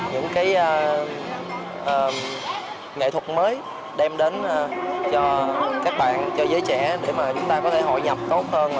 những cái nghệ thuật mới đem đến cho các bạn cho giới trẻ để mà chúng ta có thể hội nhập tốt hơn